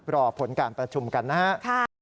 รอผลการประชุมกันนะครับค่ะสวัสดีครับ